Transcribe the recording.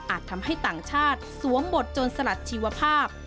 ทำให้ต่างชาติสวมบทจนสลัดชีวภาพ